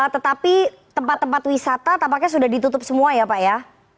tetapi tempat tempat wisata tampaknya sudah ditutup semua ya pak ya